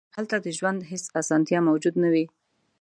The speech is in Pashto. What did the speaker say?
هلته د ژوند هېڅ اسانتیا موجود نه وه.